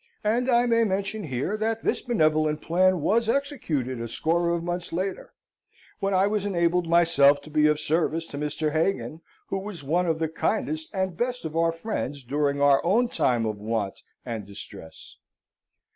And I may mention here, that this benevolent plan was executed a score of months later; when I was enabled myself to be of service to Mr. Hagan, who was one of the kindest and best of our friends during our own time of want and distress.